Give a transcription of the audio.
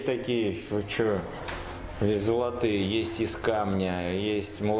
ada yang berwarna emas ada yang berwarna emas